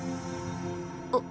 あっ。